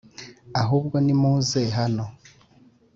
• ahubwo nimuze hano.